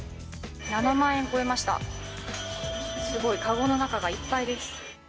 ７万円を超えました、すごい、籠の中がいっぱいです。